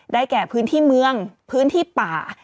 แก่พื้นที่เมืองพื้นที่ป่า